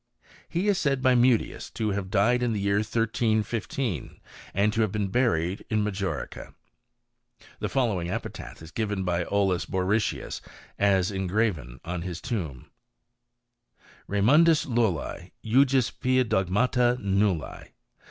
He is said by Mutius to have died in the year 1315, and to have been buried in Majorca, The following epitaph is given by Olaus Borrichius as engraven on his tomb : Raymundus LuUi, cujus pla dogmata null!